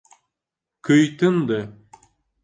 Көй тынды.